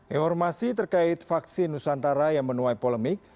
informasi terkait vaksin nusantara yang menuai polemik